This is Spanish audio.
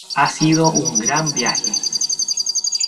Ha sido un gran viaje.